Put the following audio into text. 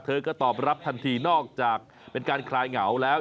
ก็ตอบรับทันทีนอกจากเป็นการคลายเหงาแล้ว